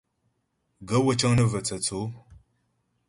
Gaə̌ wə́ cə́ŋ nə́ və tsô tsaə̌.